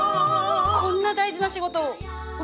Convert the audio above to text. こんな大事な仕事を私が？